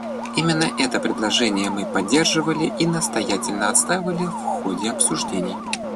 Именно это предложение мы поддерживали и настоятельно отстаивали в ходе обсуждений.